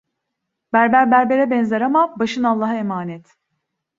Berber berbere benzer ama, başın Allah'a emanet.